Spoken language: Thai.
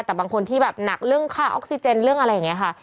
แต่บางคนที่แบบหนักเรื่องค่าออกซิเจนเรื่องอะไรอย่างนี้ค่ะ